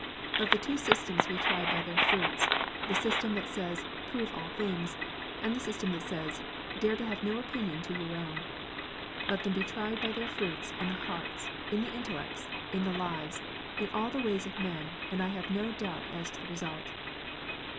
Let the two systems be tried by their fruits, the system that says, "Prove all things," and the system that says, " Dare to have no opinion of your own ;" let them be tried by their fruits in the hearts, in the intellects, in the lives, in all the ways of men, and I have no doubt as to the result.